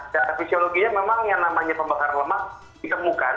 secara fisiologinya memang yang namanya pembakar lemak dikemukan